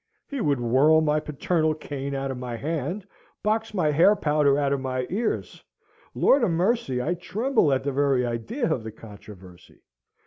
He would whirl my paternal cane out of my hand, box my hair powder out of my ears. Lord a mercy! I tremble at the very idea of the controversy?